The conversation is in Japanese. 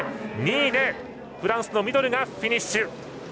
２位でフランスのミドルがフィニッシュ！